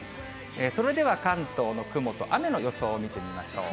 それでは関東の雲と雨の予想を見てみましょう。